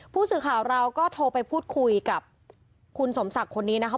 ผู้สื่อข่าวเราก็โทรไปพูดคุยกับคุณสมศักดิ์คนนี้นะคะ